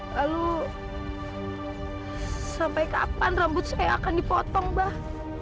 lalu sampai kapan rambut saya akan dipotong bah